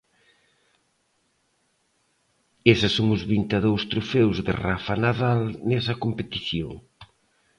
Eses son os vinte e dous trofeos de Rafa Nadal nesa competición.